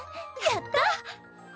やった！